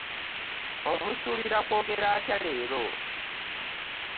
Omusuubira kwogera atya leero?